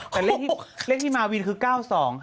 แต่เลขที่มาวินคือ๙๒